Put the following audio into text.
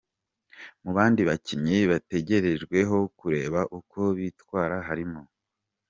Mu bandi bakinnyi bategerejweho kureba uko bitwara harimo:.